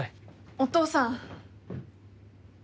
お父さん。